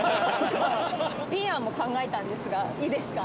Ｂ案も考えたんですがいいですか？